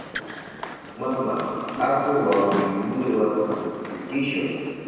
Mama, aku wawkiyniwa kutishun.